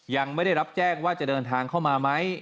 ยังไม่ได้รับแจ้งว่าจะเดินทางเข้ามาไหม